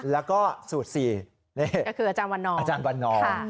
แล้วก็สูตร๔ก็คืออาจารย์วันนอง